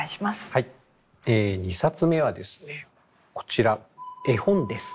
はい２冊目はですねこちら絵本です。